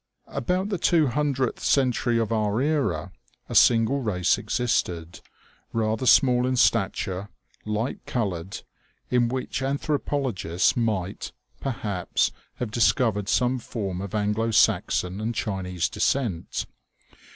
About the two hun dredth century of our era, a single race existed, rather small in stature, light colored, in which anthropologists ^oo OMEGA. might, perhaps, have discovered some form of Anglo Saxon and Chinese descent.